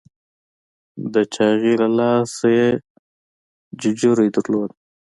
د چاغي له لاسه یې ججوری درلود.